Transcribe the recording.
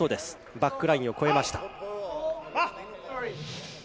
バックラインを越えました。